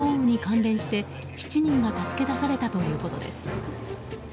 この豪雨に関連して、７人が助け出されたということです。